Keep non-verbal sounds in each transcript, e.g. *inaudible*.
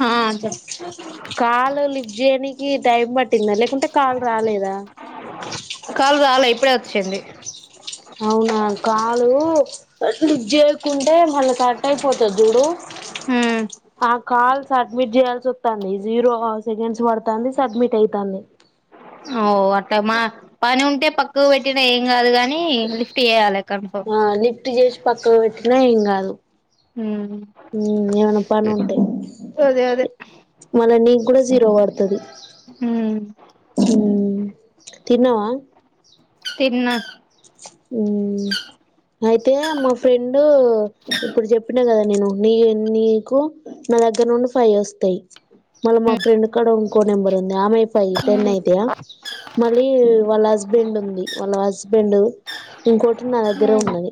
*inaudible* హా చె కాలు లిఫ్ట్ చేయడానికి టైం పట్టిందా లేకుంటే కాలు రాలేదా కాళ రాల ఇప్పుడే వచ్చింది అవునా కాలు మళ్ళ చేయకుంటే మళ్ళీ కట్ అయిపోతుది చూడు హ నా కాల్ సబ్మిట్ చేయాల్సి వస్తుంది జీరో సెకండ్స్ పడుతంది సబ్మిట్ అయితాంది ఓ అ మా పని ఉంటే పక్వ పెట్టినయంగ అదు కానీ ఆ నిలిఫటీ జష్ పక్క ఏ ఇం అదు ఏమన్నా పను ఉంటా అదే అదే మళ నీ కూడా జీరో పడుతుంది హ తిన్నవా తిన్న ఉమ్ అయితే మా ఫ్రెండ్ ఇప్పుడు చెప్పినా కదా నేను నీ నీకు నా దగ్గర నుండి ఫైవ్ ఇ వస్తాయి మన మా ఫ్రెండ్ కడ ఉంట కోనెంరుంది ఆమె ఫైవ్ టెన్ అయితయా మళ్ళీ వాళ్ళ హస్బెండ్ ఉంది వాళ్ళ హ బెండు ఇకో నా దగ్గర ఉన్నది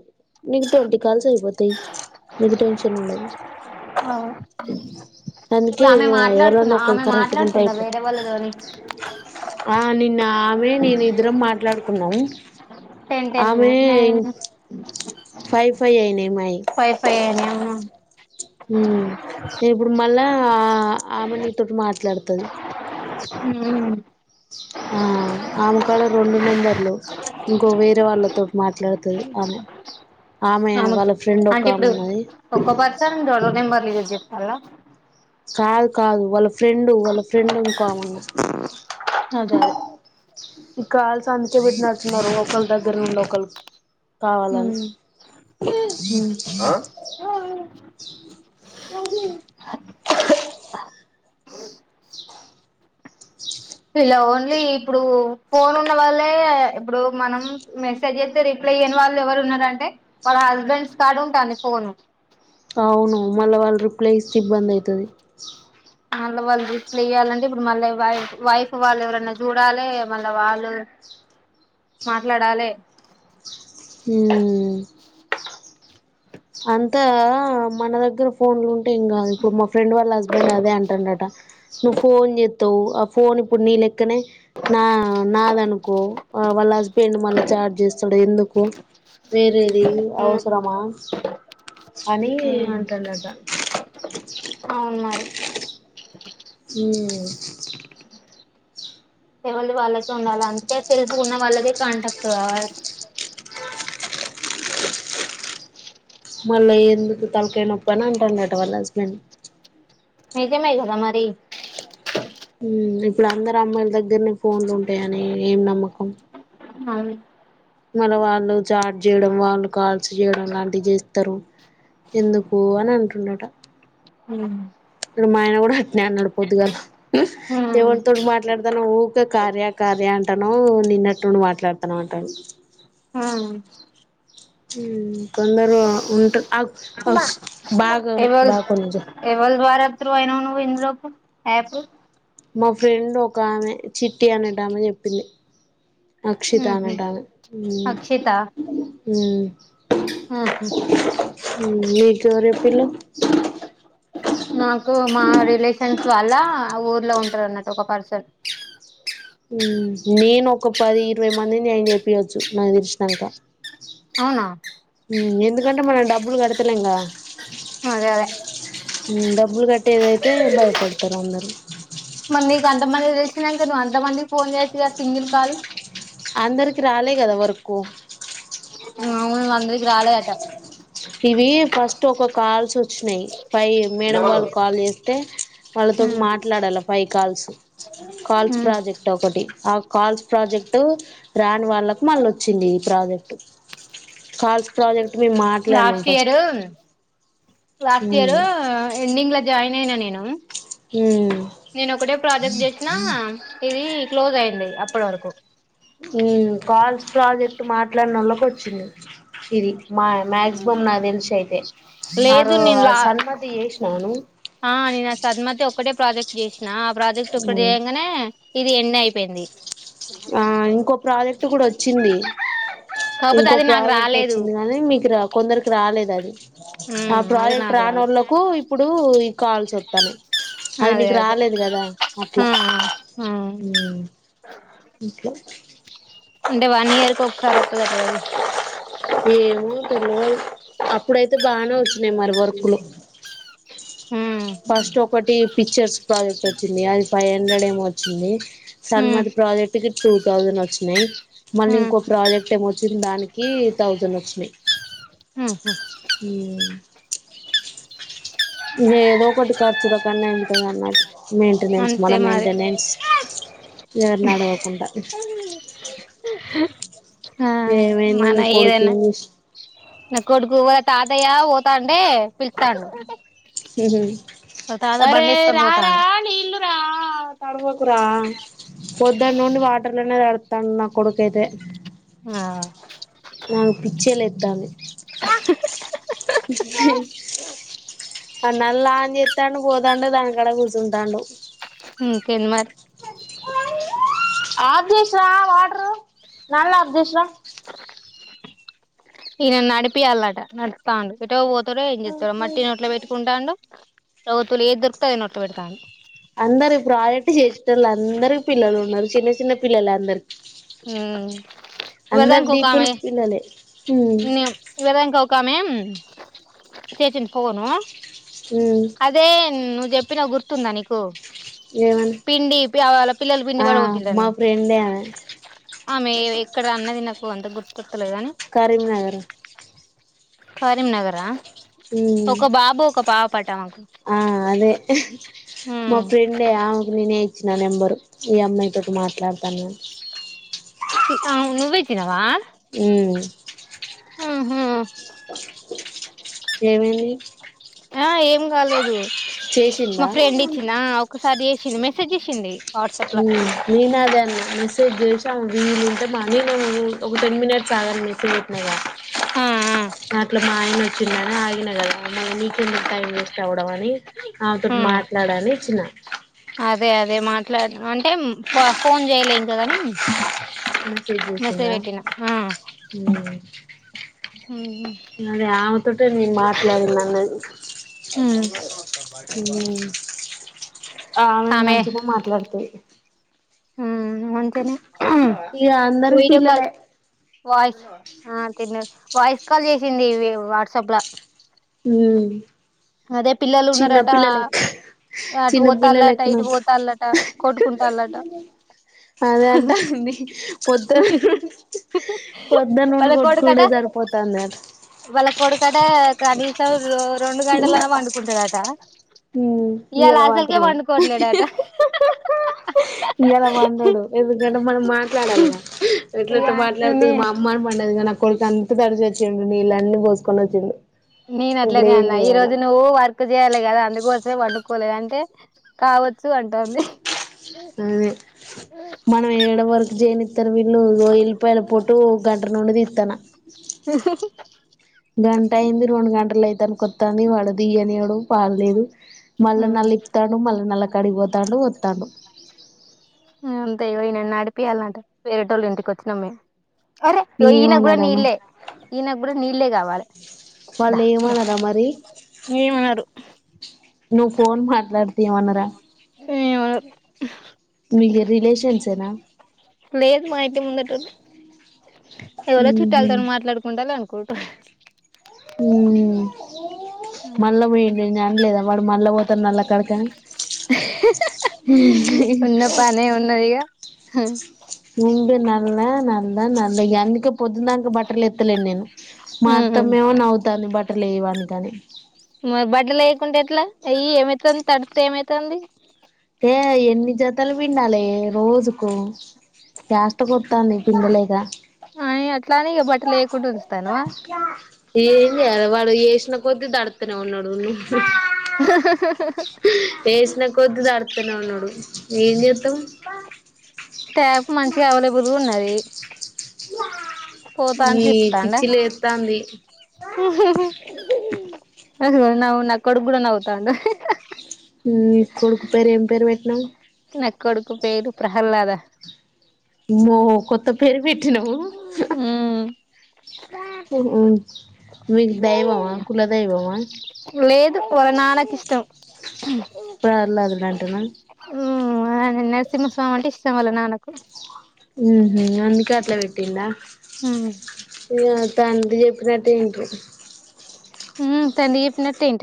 నీకు ట్వంటి కాల్స్ అయిపోతాయి నీకు టెన్షన్ ఉండదు అ అందుకే ఇప్పుడు ఆమె ఎవరన్నా మాట్లాడుతుందా ఒకరు ఆమె కరెక్ట్గా ఉంటే మాట్లాడుతుందా వేరే అయిపోతది వాళ్ళ కాని ఆ నిన్న ఆమె నేను ఇద్దరం మాట్లాడుకున్నాం టెన్ టెన్ ఆమె నైన్ ఫైవ్ ఫైవ్యిన పై పై ఏనే నేను ఇప్పుడు మళ్ళా ఆ ఆమె నీతోటి మాట్లాడుతది హ్మ్ ఆ ఆమెకాలో రెండు నెంబర్లు ఇంకో వేరే వాళ్ళతో మాట్లాడుతది ఆమె ఆమె వాళ్ళ ఫ్రెండ్ ఒక అంటే ఆమె ఇప్పుడు ఉన్నది ఒక్కో పర్సన్ రొండు నెంబర్లు యూజ చేస్తలా కాదు కాదు వాళ్ళ ఫ్రెండ్ వాళ్ళ ఫ్రెండ్ ఇంకో ఆమె ఉంది అదే అదే ఇకాల్స అందుకే బడి నతున్నారు ఒకల్ దగ్గర ఒకళ్ళు కావాలని మ్మ్ ఇలా ఓన్లీ ఇప్పుడు ఫోన్ ఉన్న వాళ్లే ఇప్పుడు మనం మెసేజ్ అయితే రిప్లై ఇయ్యని వాళ్ళు ఎవరు ఉన్నారంటే వాళ్ళ హస్బెండ్స్ కడు ఉంటాంది ఫోన్ అవును మళ్ళా వాళ్ళు రిప్లై ఇస్తే ఇబ్బంది అయితది మళ్ళ వాళ్ళు రప్లైయ్యాలండి మళ్ళీ వై వైఫ్ వాళ్ళు ఎవరన్నా చూడాలె మళ్ళా వాళ్ళు మాట్లాడాలె హ్మ్ అంతే గద మన దగ్గర ఫోన్లు ఉంట అంటే ఇంకా ఇప్పుడు మా ఫ్రెండ్ వాళ్ళ హస్బెండ్ అదే అంటాండట నువ్వు ఫోన్ చెత్తవ్ ఆ ఫోన్ ఇప్పుడు నీ అ నా నాదనుకో వాళ్ళ హస్బెండ్ మళ్ళ చాట్ చేస్ సాడ్ ఎందుకు వేరేది అవసరమా అనీ మ్మ్ అంటడట అవును మరి మ్మ్ ఏవల్ది వాళ్ళతో ఉండాలి అంటే ఫేస్ ఉన్న వాళ్ళకే కాంటక్ట్ కావ మళ్ళీ ఎందుకు తలకాయ్ నొప్పి అని అంటున్నట వాళ్ళ హస్బెండ్ నిజమే కద మరి మ్మ్ ఇప్పుడు అందరు అమ్మాయిల దగ్గరనే ఫోన్లు ఉంటాయని ఏం నమ్మకం అవును మళ్ళ వాళ్ళు చాట్ చేయడం వాళ్ళు కాల్స్ చేయడం లాంటివి చేస్తారు ఎందుకు అని అంటున్నట మ్మ్ ఇడు మా ఆయన కూడా అట్నే అన్నాడిపోద్దు కల మ్మ్ దేవరితో మాట్లాడతాను ఊకే కార్య కార్య అంటాను నిన్నట్టుండి మాట్లాడుతాను అంటాను మ్మ్ కొందరు ఉంటారు బాగాని ఎవల్ బాగు నిజ ఎవల్ ద్వారా త్రూ అయ్యినావ్ నువ్వు ఇందులోకు యాపు మా ఫ్రెండ్ ఒక ఆమె చిట్టి అనేటామే చెప్పింది ఉహు అక్షితనేతమే మ్మ్ హ్మ్ హు ఎవరు చెప్పిళ్ళు నాకు మా రిలేషన్స్ వాళ్ళ ఊర్లో ఉంటారు అన్నట్టు ఒక పర్సన్ నేను ఒక పది ఇరవై మందిని ఆన చెప్పయొచ్చు నాకు తెలిసినాక అవునా ఉ ఎందు ఎందుకంటే మ డబులు కడుతులేంగా అదే అదే డబ్బులు కట్టేదైతే భయపడతారు అందరూ మరి నీకు అంతమంది తెలిసినాక నువ్ అంత మంది ఫోన్ చేయచ్చు కదా సింగిల్ కాల్ అందరికి రాలే కదా వరకు వును వందకి రాల గటా ఇవి ఫస్ట్ ఒక కాల్స్ వచ్చినాయి ఫైవ్ మేడం వాళ్ళు కాల్ చేస్తే వాళ్ళతో ఉమ్ మాట్లాడాల పైకాల్సు కాల్స్ ఉమ్ ప్రాజెక్ట్ ఒకటి ఆ కాల్స్ ప్రాజెక్ట్ రాని వాళ్ళకు మళ్ళ వచ్చింది ఈ ప్రాజెక్ట్ కాల్స్ ప్రాజెక్ట్ మ లాస్ట్ ఇయరు లాస్ట్ మ్మ్ ఇయరు ఎన్నింగ్ లో జాయిన్ నేనా నేను మ్మ్ నేను ఒకటే ప్రాజెక్ట్ చేసినా ఇది క్లోజ్ అయింది అప్పటి వరకు కాల్స్ ప్రాజెక్ట్ మాట్లాడిన వాళ్ళకి వచ్చింది సిరి మా మ్యాక్సిమమ్ నా తెలిస అయితే లేదు ఆరు నేను లా సన్మతి చేసినావా నువ్వు ఆ అని నా సద్మతి ఒకటే ప్రాజెక్ట్ చేసింది నా ఆ ప్రాజెక్ట్ ఒక్కడ చేయంగానే ఇది ఎండ్ అయిపోయింది ఆ ఇంకో ప్రాజెక్ట్ కూడా వచ్చింది కాకపోతే ఇంకో అది నాకు ప్రాజెక్ట్ రాలేదు వచ్చింది కాగాని మీకు రా కొందరికి రాలేదు అది ఆ ఉమ్ అది ప్రాజెక్ట్ నాకు రాన రాలే వాళ్ళలకు ఇప్పుడు కావాల్సి వస్తానే అది అదే నీకు అదే రాలేదు కదా ఆ అట్లా ఆ క అంటే వన్ ఇయర్ కు ఒకసారి వస్తుంది అంట ఏమో తెలవదు అప్పుడైతే బానే వచ్చినాయి మరి వర్కులు ఉమ్ ఫస్ట్ ఒకటి పిక్చర్స్ ప్రాజెక్ట్ వచ్చింది అది ఫైవ్ హండ్రెడ్ ఏమో వచ్చింది ఉమ్ సన్మద్ ప్రాజెక్ట్ కి టూ థౌజండ్ వచ్చినయి మళ్ళీ ఉమ్ ఇంకో ప్రాజెక్ట్ ఏమ వచ్చింది దానికి కే థౌజండ్ వచ్చినయ్ ఉహు ఉమ్ ఏదో ఒకటి కచుల కన్నా అయితే అన్నట్టు మెయింటెనెన్స్ మన అంతే మరి మెయింటెనెన్స్ ఎవరిని అడగకుండా. ఆ ఏ మన వైందిని కొడుకు ఏదన్నా నా కొడుకు తాతయ్య పోతాండే పిలుస్తాడు హు హు అరే బండి ఏసుకొని రారా పోతాండు నీళ్లు ఉన్నాయి రా థాడ్ పోకురా పొద్దు నుండి వాటర్ వాటర్ లనే తడుస్తున్నాడు నా కొడుకా అయితే ఆ నాకు పిచ్చి లేస్తుంది హు హు ఆ నల్ ఆజత్తను పో తండు ధంకాడా కుసుఉంటాడు ఉమ్ ఇంకెం మరి అద్రసా వాటరు నల్ అప్దేష ఇ నడిపియాల అంటా నస్తా ఇటో టారో ఏం చెస్తారు మట్టి నోట్లో పెట్టుకుంటాండు ప్రవుతులు ఏది దొరుకుత అదిని నొట్ట పెడతాను అందరు ప్రాజెక్ట్ చేసటళ్ళు అందరికి పిల్లలు ఉన్నారు చిన్న చిన్న పిల్లలు అందరికి ఉమ్ ఇవదా అందరు కోక్కమ డీపిలు పిల్లలే ఉమ్ ఇవర ఇంకా ఉక్క మే చచన్ పోవను ఉమ్ అదే నుజప్ ప్పినవ గుర్తుందా నీకు ఏమని పిండి పవాళ పిల్లలు పిండి ఆ మా పడవసినే ఫ్రెండే ఆమె ఆమె ఎక్కడ అన్నది నాకు అంత గుర్తు లేదానే రరీంనగర్ కరీం నగరా ఆ ఉమ్ ఒక బాబు ఒక పాప ఆ అదే మా ఉమ్ ఫ్రెండే ఆమెకు నేనే ఇచ్చిన నెంబరు ఈ అమ్మాయి తోటి మాట్లాడుత తన్ ఆ నువ్వైతినవా అ ఆహా ఏమైంది ఆ ఏం కాలేదు మా చేసిందా ఫ్రెండ్ ఇచ్చిన అకు సది చేేసింది మెసేజ్ చేసింది వాట్సాప్ లో రీనా దన్ చేసాం వీలుంటే మానీ ఒక టెన్ మినిట్స్ ఆగా మెసేజ్ పెట్నాగా ఆ దట్లో మాయన వచ్చిన్నానే ఆ ఇ అమ నీకెందుకు టైం వేస్ట్ అవ్వడం అని ఆ ఆతోటి మాట్లాడనిచ్చిన *inaudible* అదే అదే మాట్లాడ అంటే ఫోన్ చేయలే ఇంకాదని చే చేసిన అ అటే నేను మాట్లాడినన్న ఉమ్ హ ఆ మేము మంచిగా మాట్లాడుతే హ చనే ఇక అందరికి వడ కాల్ పిల్లలే వాయిస్ తి వాయిస్ కాల్ చేసింది వాట్సాప్లా హ అదే పిల్లలు ఉన్నారట అటు చిన్న పోతాట పిల్లలెక్కన ఇటు పోతాళ్ట కొట్టుకుంటాళ్ట అదే అంటాంది పొద్దున పొద్దు నుండి వాళ్ళ కోడుకట కొట్టుకునుడే సరిపోతాంది అట వాళ్ళకుడుకట గనీ స రో గంటలనే వండుకుంటాడాట ఉమ్ ఇలా ఇయ్యాల అసలకే వంటలేవు వండుకోవట్లేడాట ఇలా మండడు ఎందుకంట మనం మాట్లాడాలిగా ఇగ ఎట్లాట్ నే మాట్లాడుతుంది మా అమ్మ అని పండది కా ఇ అంత తడుచ వచ్చిడి న ఇని పో కోసుకొ వచ్చింది నేను అట్లనే అన్నా ఈ రోజు నువ్వు వర్క్ చేయాలి కదా అందుకోసమే వండుకోలేదు అంటే కావచ్చు అంటుంది అదే మనం వయడం వరకు చేనిస్తారు వీళ్ళు ఉల్లిపాయల పటు గంట నుండిది ఇకానా *inaudible* గంట అయింది రెండు గంటలు అయితను కొత్తాంది వాడదియ్యనివ్వడు పాలులేదు మళ్ళ నల్ ప్తాడు మల్ళ నల కడిగిపోతాండు వత్తాండు అంతయ్యోన నడిపియాలింట వేరేటోళ్ళ ఇంటికి వచ్చినం మేము అరే ఈయన గ్గూడా ఏమనాలే మరి నీళ్ళే ఈయ న్ ఇప్పుడే నీళ్ళే కావాలి దా వాళ్ళు దా ఏమనరా మరి ఏమనరు నువ్ ఫోన్ మాట్లాడితే ఏం అనరా ఏమో మీ రిలేషన్సేనా లేదు మా ఇంటి ముందటోళ్ళు ఎవరో ఉహు చుట్టాల్తో మాట్లాడుకుంటాలే అన్ కుంటే హ్మ్ మళ్ల పోయిండిని అనలేద వాడు మళ్ళా పోతాండు అక్కడికే ఉన్న పనే ఉన్నదిగా హ ఉండు నల్ల ట్రిల్ ఎత్తలేను నేను ఉమ్ అత్తమా ఏమో నవ్వుతంది బట్ లేవంతది మరి బడలేయకుంటే ఎట్లా ఏయి ఏమైతంద్ తడితే ఏమైతంది ఏ ఎన్ని జతలు పిండాలే రోజుకు య్యాస్ట్కోతంది పిండలేగా అని అట్లాని ఇక బట్టలు వేయకుండా ఉంచుతానవా ఏం జేయాలే వాడు ఏషినా కొద్ది తాడుతనే ఉన్నాడు ఏసిన కొద్ది తడుత్ నాడు ఏం జేదం ట్యాప్ మంచిగా అవైలబిల్గున్నది పోతాండు ఈ తిపుతండా పిచ్చి లేస్తాంది అదిగో నవ్ నా కొడుక్ కూడా నవ్వుతండు ఉమ్ నీ కొడుకు పేరు ఏం పేరు పెట్నావ్ న కొడుకు పేరు ప్రహ్లాదా మ్మో కొత్త పేరు పెట్ ట్టినవ్ ఉమ్ మీ దైవమా కుల దైవమా ఆ పర్లాదు అంటన ఆ నరసింహస్వామి ఇష్ వాళ్ళ నాన్న కు ఉ వందుకట్లా పెట్టిండ హ్మ్ గాంధీ చెప్పినట్టు వింటుంది ఉ తండి చెప్పినట్టు ఇంటడ